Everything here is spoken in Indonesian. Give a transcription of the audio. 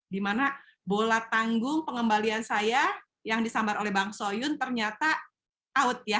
dimana bola tanggung pengembalian saya yang disambar oleh bang soyun ternyata out ya